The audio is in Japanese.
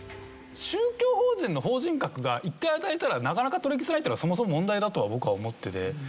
宗教法人の法人格が１回与えたらなかなか取り消せないってのはそもそも問題だとは僕は思ってて。